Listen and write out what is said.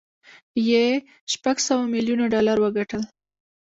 یې شپږ سوه ميليونه ډالر وګټل